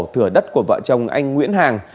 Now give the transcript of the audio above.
thửa đất của vợ chồng anh nguyễn hàng